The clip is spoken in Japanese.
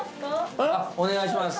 お願いします。